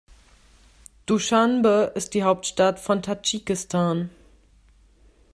Duschanbe ist die Hauptstadt von Tadschikistan.